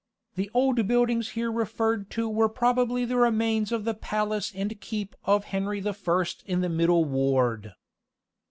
The old buildings here referred to were probably the remains of the palace and keep of Henry the First in the middle ward.